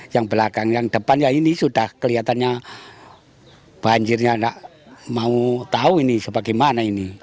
yang belakang yang depannya ini sudah kelihatannya banjirnya nggak mau tahu ini sebagaimana ini